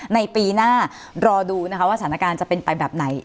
ในปีหน้ารอดูนะคะว่าสถานการณ์จะเป็นไปแบบไหน